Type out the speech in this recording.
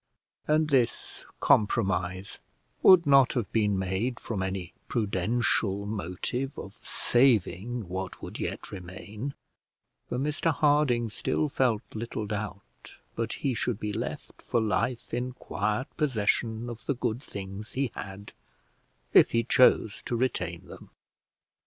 And this compromise would not have been made from any prudential motive of saving what would yet remain, for Mr Harding still felt little doubt but he should be left for life in quiet possession of the good things he had, if he chose to retain them.